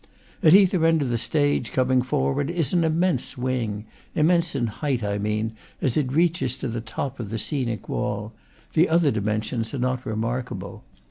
At either end of the stage, coming forward, is an immense wing, immense in height, I mean, as it reaches to the top of the scenic wall; the other dimen sions are not remarkable.